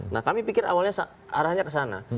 nah kami pikir awalnya arahnya ke sana